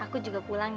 aku juga pulang ya